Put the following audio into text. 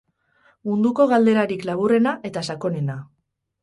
Munduko galderarik laburrena, eta sakonena.